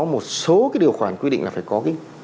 một số điều khoản quy định là phải có